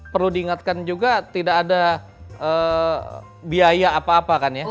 perlu diingatkan juga tidak ada biaya apa apa kan ya